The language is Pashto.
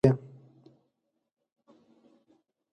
چې وييل به يې